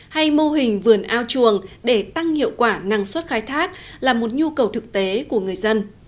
hay mô hình vườn ao chuồng để tăng hiệu quả năng suất khai thác là một nhu cầu thực tế của người dân